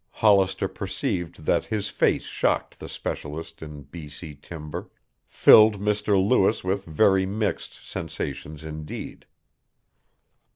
Hollister perceived that his face shocked the specialist in B.C. timber, filled Mr. Lewis with very mixed sensations indeed.